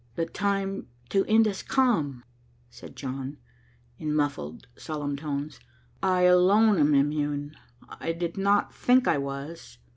"The time to end had come," said John, in muffled, solemn tones. "I alone am immune; I did not think I was."